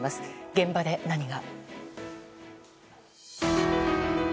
現場で、何が？